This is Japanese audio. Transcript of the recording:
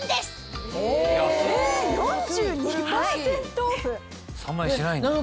３万円しないんだ。